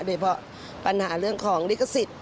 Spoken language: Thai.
โดยเฉพาะปัญหาเรื่องของลิขสิทธิ์